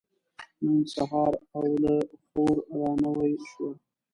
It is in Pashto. نن سهار اوله خور را نوې شوه.